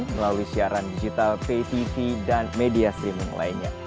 melalui siaran digital pay tv dan media streaming lainnya